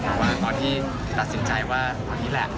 เพราะว่าตอนที่ตัดสินใจว่าวันนี้แหละ